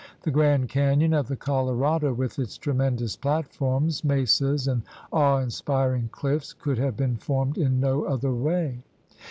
The Grand Canyon of the Colorado with its tremendous platforms, mesas, and awe inspir ing cliffs could have been formed in no other way.